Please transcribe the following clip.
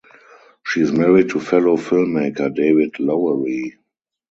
She is married to fellow filmmaker David Lowery.